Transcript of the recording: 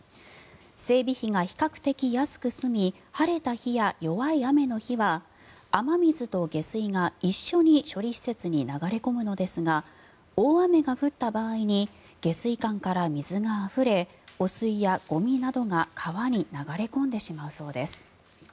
整備費が比較的安く済み晴れた日や弱い雨の日は雨水と下水が一緒に処理施設に流れ込むのですが大雨が降った場合に下水管から水があふれ汚水やゴミなどが川に流れ込んでしまうそうです。